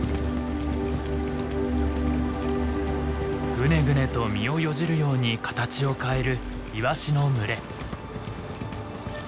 グネグネと身をよじるように形を変えるイワシの群れ。